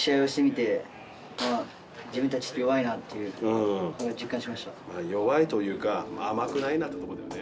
はいはいよし正直弱いというか甘くないなってとこだよね